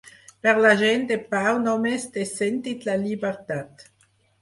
Per la gent de pau només té sentit la llibertat.